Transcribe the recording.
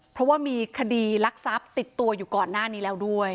เพราะว่ามีคดีรักทรัพย์ติดตัวอยู่ก่อนหน้านี้แล้วด้วย